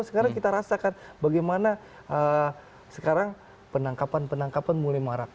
sekarang kita rasakan bagaimana sekarang penangkapan penangkapan mulai marak